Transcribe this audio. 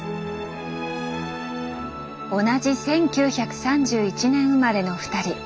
同じ１９３１年生まれの２人。